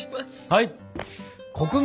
はい！